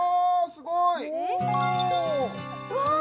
すごい！